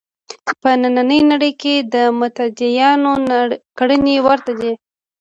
په نننۍ نړۍ کې د متدینانو کړنې ورته دي.